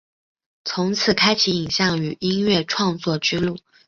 从此开启影像与音乐创作之路。